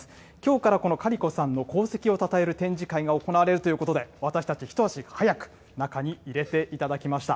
きょうからこのカリコさんの功績をたたえる展示会が行われるということで、私たち、一足早く中に入れていただきました。